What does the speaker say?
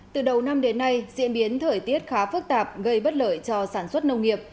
từ đầu năm đến nay diễn biến thời tiết khá phức tạp gây bất lợi cho sản xuất nông nghiệp